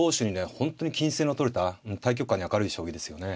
本当に均斉の取れた大局観に明るい将棋ですよね。